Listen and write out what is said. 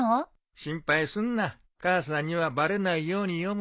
心配すんな母さんにはバレないように読むから。